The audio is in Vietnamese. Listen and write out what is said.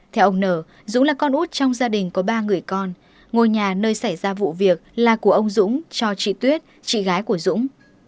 theo ông nở dũng là con út trong gia đình có ba người con ngôi nhà nơi xảy ra vụ việc là của ông dũng cho chị tuyết chị gái của dũng